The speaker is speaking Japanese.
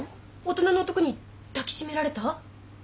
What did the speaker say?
大人の男に抱き締められた？